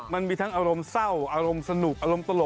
มันมีทั้งอารมณ์เศร้าอารมณ์สนุกอารมณ์ตลก